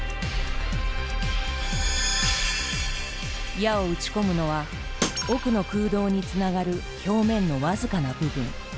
矢を打ち込むのは奥の空洞につながる表面の僅かな部分。